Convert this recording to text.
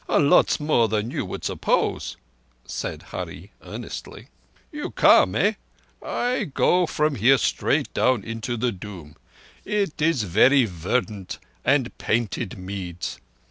A lots more than you would suppose," said Hurree earnestly. "You come—eh? I go from here straight into the Doon. It is verree verdant and painted meads.